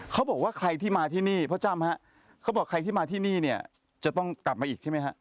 เขาบอกว่าใครที่มาที่นี่พ่อจ้ำฮะเขาบอกใครที่มาที่นี่เนี่ยจะต้องกลับมาอีกใช่ไหมฮะ